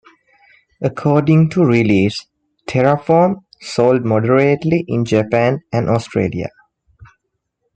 According to "Release", "Terraform" sold moderately in Japan and Australia.